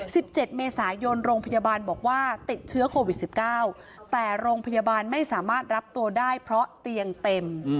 สิบเจ็ดเมษายนโรงพยาบาลบอกว่าติดเชื้อโควิดสิบเก้าแต่โรงพยาบาลไม่สามารถรับตัวได้เพราะเตียงเต็ม